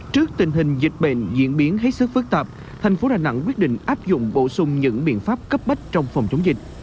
trước tình hình dịch bệnh diễn biến hết sức phức tạp thành phố đà nẵng quyết định áp dụng bổ sung những biện pháp cấp bách trong phòng chống dịch